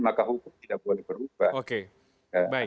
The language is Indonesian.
maka hukum tidak boleh berubah